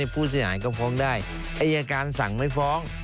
ผู้เสียหายก็ฟ้องได้อายการสั่งไม่ฟ้อง